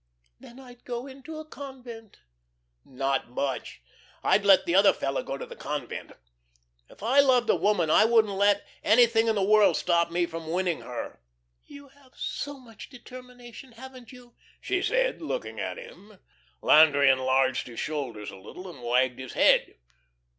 Then I'd go into a convent." "Not much. I'd let the other fellow go to the convent. If I loved a woman, I wouldn't let anything in the world stop me from winning her." "You have so much determination, haven't you?" she said, looking at him. Landry enlarged his shoulders a little and wagged his head.